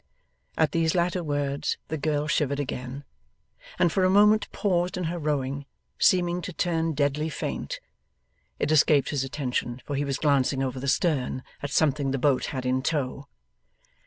At these latter words the girl shivered again, and for a moment paused in her rowing, seeming to turn deadly faint. It escaped his attention, for he was glancing over the stern at something the boat had in tow.